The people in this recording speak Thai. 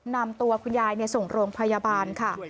นำตัวคุณยายส่งโรงพยาบาลค่ะ